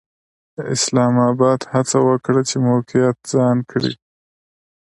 اسلام اباد هڅه وکړه چې موقعیت ځان کړي.